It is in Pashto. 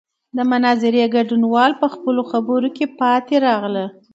د مناظرې ګډونوال په خپلو خبرو کې پاتې راغلل.